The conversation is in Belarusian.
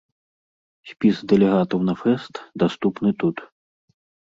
Спіс дэлегатаў на фэст даступны тут.